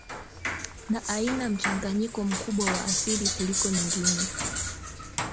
na ina mchanganyiko mkubwa wa asili kuliko nyingine